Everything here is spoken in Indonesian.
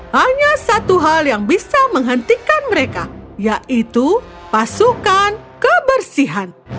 hanya satu hal yang bisa menghentikan mereka yaitu pasukan kebersihan